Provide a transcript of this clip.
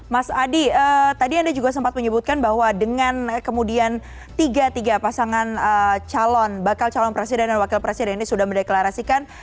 mas adi tadi anda juga sempat menyebutkan bahwa dengan kemudian tiga tiga pasangan calon bakal calon presiden dan wakil presiden ini sudah mendeklarasikan